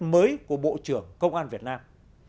mới của bộ trưởng công an việt nam